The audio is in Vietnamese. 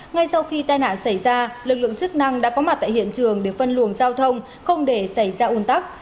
ngay sau khi tai nạn xảy ra lực lượng chức năng đã có mặt tại hiện trường để phân luồng giao thông không để xảy ra un tắc